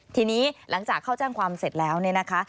ทีนี้หลังจากเข้าแจ้งความเสร็จแล้วเนี่ยนะคะ